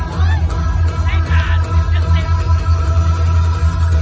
จากสะโกะมันกล่องอาโลก